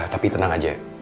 tapi tenang aja